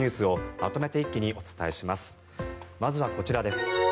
まずはこちらです。